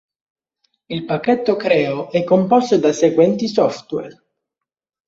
Il pacchetto Creo è composto dai seguenti software